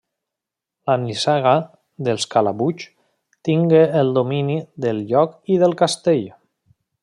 La nissaga dels Calabuig tingué el domini del lloc i del castell.